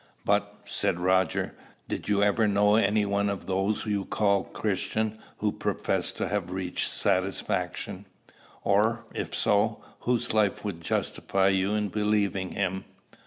"But," said Roger, "did you ever know any one of those you call Christians who professed to have reached satisfaction; or, if so, whose life would justify you in believing him?"